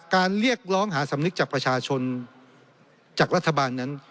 เรียกร้องหาสำนึกจากประชาชนจากรัฐบาลนั้น